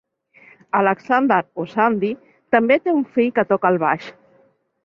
Alexander o "Sandy" també té un fill que toca el baix.